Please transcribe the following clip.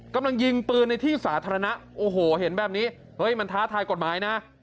กำลังยิงปืนในที่สาธารณะโอ้โหเห็นแบบนี้เฮ้ยมันท้าทายกฎหมายนะ